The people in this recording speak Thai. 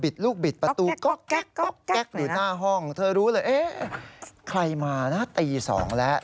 เธอรู้เลยเอ๊ะใครมานะตี๒แล้ว